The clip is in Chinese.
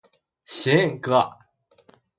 行，哥！